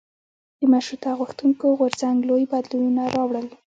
د مشروطه غوښتونکو غورځنګ لوی بدلونونه راوړل.